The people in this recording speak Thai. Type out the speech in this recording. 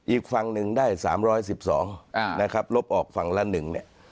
อีกฝั่งหนึ่งได้๓๑๒นะครับลบออกฝั่งละ๑เนี่ย